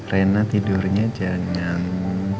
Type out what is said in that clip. reina tidurnya jangan